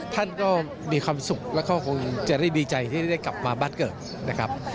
ท่านก็มีความสุขแล้วก็คงจะได้ดีใจที่ได้กลับมาบ้านเกิดนะครับ